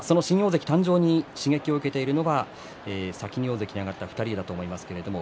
新大関誕生に刺激を受けているのは先に大関に上がった２人だと思います。